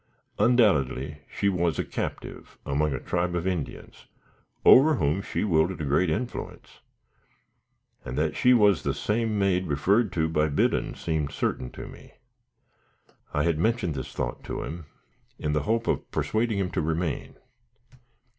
Undoubtedly she was a captive among a tribe of Indians, over whom she wielded a great influence; and that she was the same maid referred to by Biddon, seemed certain to me. I had mentioned this thought to him, in the hope of persuading him to remain.